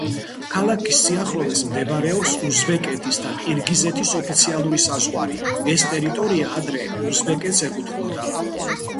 ქალაქის სიახლოვეს მდებარეობს უზბეკეთის და ყირგიზეთის ოფიციალური საზღვარი, ეს ტერიტორია ადრე უზბეკეთს ეკუთვნოდა.